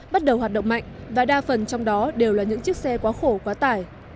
bắt đầu hoạt động mạnh và đa phần trong đó đều là những chiếc xe quá khổ quá tải